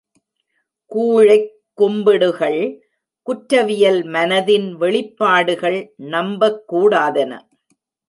கூழைக் கும்பிடுகள், குற்றவியல் மனத்தின் வெளிப்பாடுகள் நம்பக்கூடாதன.